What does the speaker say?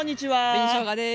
紅しょうがです。